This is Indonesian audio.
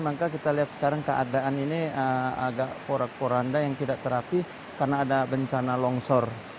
maka kita lihat sekarang keadaan ini agak porak poranda yang tidak terapi karena ada bencana longsor